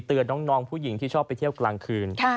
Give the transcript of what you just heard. น้องผู้หญิงที่ชอบไปเที่ยวกลางคืน